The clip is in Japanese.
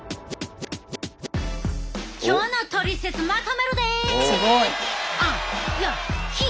今日のトリセツまとめるで！